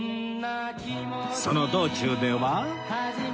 その道中では